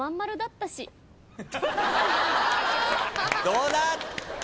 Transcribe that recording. どうだ？